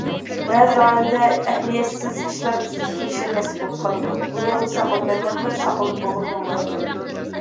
بەزىدە ئائىلىدە ئەھمىيەتسىز ئىشلار ئۈستىدە كېلىشەلمەسلىك بولۇپ قالىدۇ، بۇنىڭدىن ساقلىنىمەن دەپمۇ ساقلىنىپ بولغىلى بولمايدۇ.